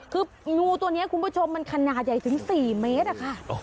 คืองูตัวนี้คุณผู้ชมมันขนาดใหญ่ถึง๔เมตรอะค่ะ